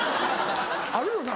あるよな？